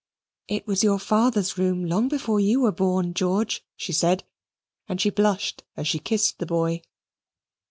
"It was your father's room long before you were born, George," she said, and she blushed as she kissed the boy.